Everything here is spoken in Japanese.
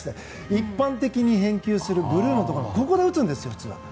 一般的に返球するブルーのところでここで打つんです、普通は。